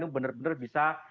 ini benar benar bisa